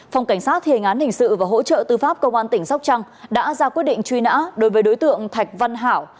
phòng cảnh sát thiên án hình sự và hỗ trợ tư pháp công an tỉnh sóc trăng đã ra quyết định truy nã đối với đối tượng thạch văn hảo